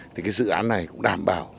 thì dự án này cũng đảm bảo